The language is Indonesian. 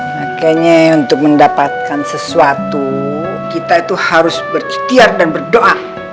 makanya untuk mendapatkan sesuatu kita itu harus berikhtiar dan berdoa